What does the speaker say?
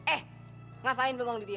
eh ngapain belum di dia